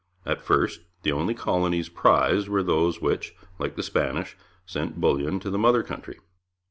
At first the only colonies prized were those which, like the Spanish, sent bullion to the mother country.